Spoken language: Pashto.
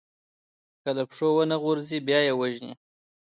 که له پښو ونه غورځي، بیا يې وژني.